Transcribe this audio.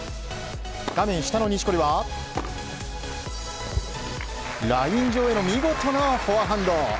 画面下の錦織はライン上への見事なフォアハンド。